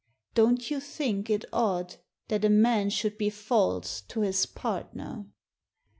Don't you think it odd that a man should be false to his partner